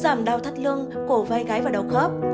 giảm đau thắt lương cổ vai gái và đau khớp